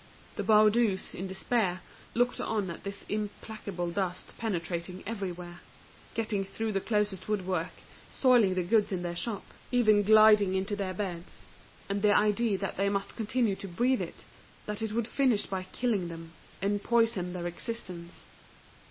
The Baudus in despair looked on at this implacable dust penetrating everywhere—getting through the closest woodwork, soiling the goods in their shop, even gliding into their beds; and the idea that they must continue to breathe it—that it would finish by killing them—empoisoned their existence.